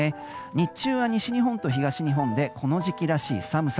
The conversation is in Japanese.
日中は西日本と東日本でこの時期らしい寒さ。